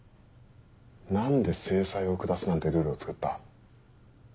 何で制裁を下すなんてルールを作った？